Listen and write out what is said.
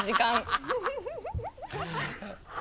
ハハハ